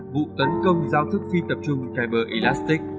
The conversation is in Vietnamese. vụ tấn công giao thức phi tập trung kyber elastic